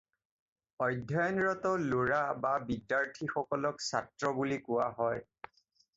অধ্যয়নৰত ল'ৰা বা বিদ্যাৰ্থীসকলক ছাত্ৰ বুলি কোৱা হয়।